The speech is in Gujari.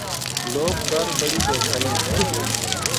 لوک بر بَڑی دیواسئی ما تھا